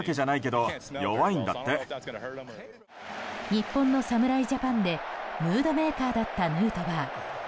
日本の侍ジャパンでムードメーカーだったヌートバー。